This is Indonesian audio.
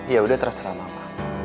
yaudah terserah mama